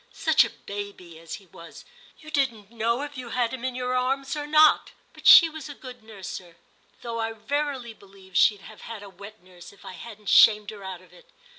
Such a baby as he was ! you didn't know if you had him in your arms or not But she was a good nurser, though I verily believe she'd have had a wet nurse if I hadn't shamed her out of it.